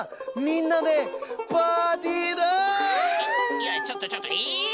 いやちょっとちょっとえ！？